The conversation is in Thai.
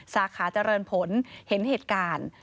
สาขาเจริญผลเห็นเหตุการณ์